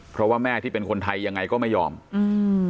เพราะว่าแม่ที่เป็นคนไทยยังไงก็ไม่ยอมอืม